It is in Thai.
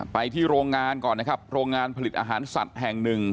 ไปที่โรงงานก่อนนะครับโรงงานผลิตอาหารสัตว์แห่งหนึ่ง